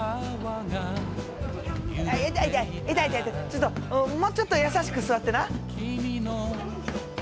ちょっともうちょっと優しく座ってな。